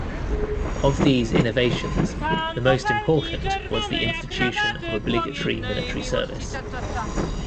Of these innovations, the most important was the institution of obligatory military service.